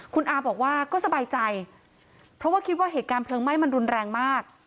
คุณอาบอกว่าก็สบายใจเพราะว่าคิดว่าเหตุการณ์เพลิงไหม้มันรุนแรงมาก